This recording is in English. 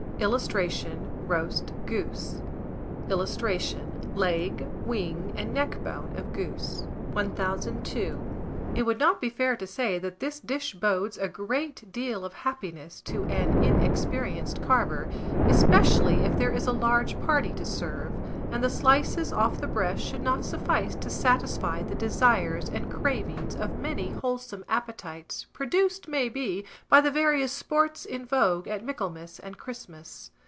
[Illustration: ROAST GOOSE.] [Illustration: LEG, WING, AND NECK BONE OF GOOSE.] 1002. It would not be fair to say that this dish bodes a great deal of happiness to an inexperienced carver, especially if there is a large party to serve, and the slices off the breast should not suffice to satisfy the desires and cravings of many wholesome appetites, produced, may be, by the various sports in vogue at Michaelmas and Christmas.